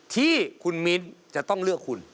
ที่คุณมิ้นจะต้องเลือกคุณ